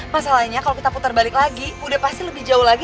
masalahnya kalau kita putar balik lagi udah pasti lebih jauh lagi